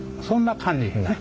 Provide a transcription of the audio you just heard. そんな感じ。